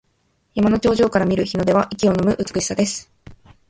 山の頂上から見る日の出は息をのむ美しさです。